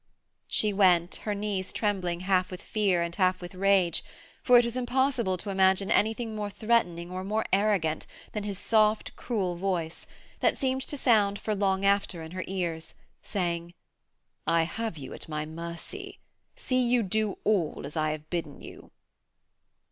She went, her knees trembling half with fear and half with rage, for it was impossible to imagine anything more threatening or more arrogant than his soft, cruel voice, that seemed to sound for long after in her ears, saying, 'I have you at my mercy; see you do as I have bidden you.'